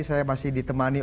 saya masih ditemani